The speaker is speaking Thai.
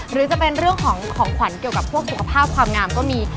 หรือจะเป็นเรื่องของของขวัญเกี่ยวกับพวกสุขภาพความงามก็มี